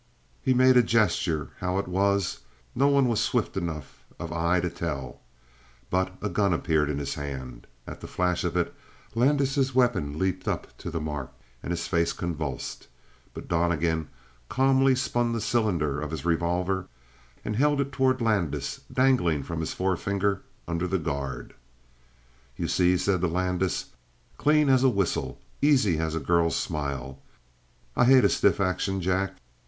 He made a gesture; how it was, no one was swift enough of eye to tell, but a gun appeared in his hand. At the flash of it, Landis' weapon leaped up to the mark and his face convulsed. But Donnegan calmly spun the cylinder of his revolver and held it toward Landis, dangling from his forefinger under the guard. "You see?" he said to Landis. "Clean as a whistle, and easy as a girl's smile. I hate a stiff action, Jack."